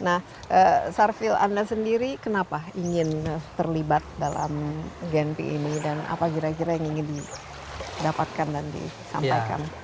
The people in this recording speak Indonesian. nah sarfil anda sendiri kenapa ingin terlibat dalam genping ini dan apa kira kira yang ingin didapatkan dan disampaikan